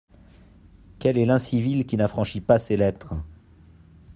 Quel est l’incivil qui n’affranchit pas ses lettres ?